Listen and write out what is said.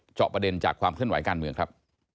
เจาะประเด็นจากความเคลื่อนไหวการเมืองครับ